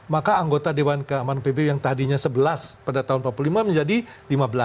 maka anggota dewan keamanan pbb yang tadinya sebelas pada tahun seribu sembilan ratus lima menjadi lima belas